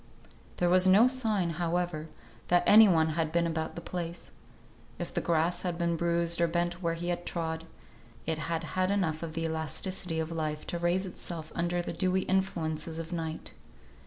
There was no sign, however, that any one had been about the place. If the grass had been bruised or bent where he had trod, it had had enough of the elasticity of life to raise itself under the dewy influences of night.